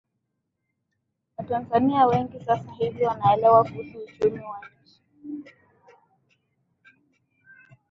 Watanzania wengi sasa hivi wanaelewa kuhusu uchumi wa nchi